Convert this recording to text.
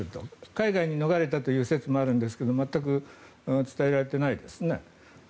海外に逃れたという説もあるんですが全く伝えられてないですね。